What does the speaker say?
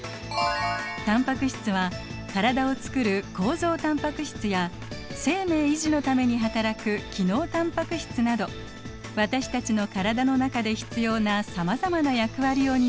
タンパク質は体をつくる構造タンパク質や生命維持のために働く機能タンパク質など私たちの体の中で必要なさまざまな役割を担っています。